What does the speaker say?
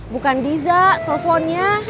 bukan diza teleponnya